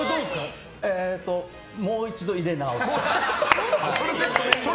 もう一度入れ直すと。